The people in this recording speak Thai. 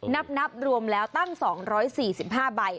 นับรวมแล้วตั้ง๒๔๕ใบ